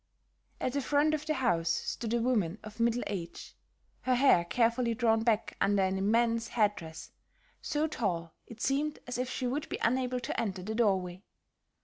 At the front of the house stood a woman of middle age, her hair carefully drawn back under an immense head dress, so tall it seemed as if she would be unable to enter the doorway.